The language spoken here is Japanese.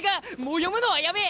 もう読むのはやめ！